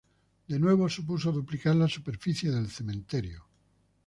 De nuevo supuso duplicar la superficie del cementerio.